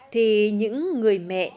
thì những người mẹ